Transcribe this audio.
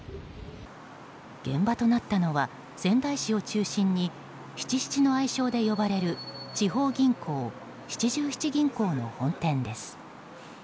現場となったのは仙台市を中心にしちしちの愛称で呼ばれる地方銀行七十七銀行の本店です。